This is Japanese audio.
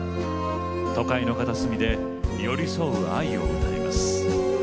都会の片隅で寄り添う愛を歌います。